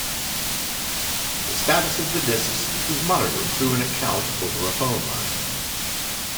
The status of the discs was monitored through an account over a phone line.